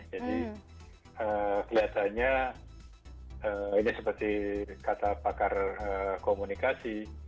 jadi kelihatannya ini seperti kata pakar komunikasi